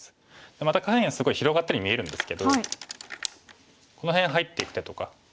また下辺がすごい広がったように見えるんですけどこの辺入っていく手とか。